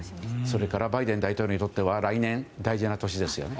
それからバイデン大統領にとっては来年、大事な年ですよね。